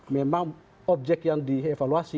memang objek yang dievaluasi